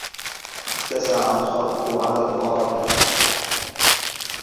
اتسع الخرق على الراقع